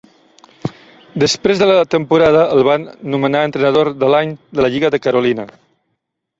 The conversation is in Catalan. Després de la temporada, el van nomenar Entrenador de l'Any de la Lliga de Carolina.